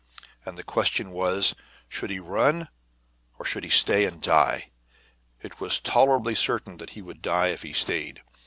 And the question was, Should he run or should he stay and die? It was tolerably certain that he would die if he stayed.